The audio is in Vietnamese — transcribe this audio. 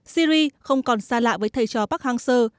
syri không còn xa lạ với thầy chó park hang seo